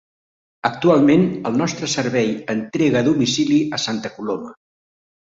Actualment el nostre servei entrega a domicili a Santa Coloma.